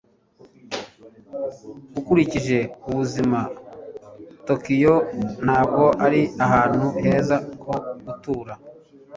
ukurikije ubuzima, tokiyo ntabwo ari ahantu heza ho gutura